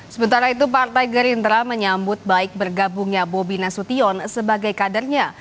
sementara itu partai gerindra menyambut baik bergabungnya bobi nasution sebagai kadernya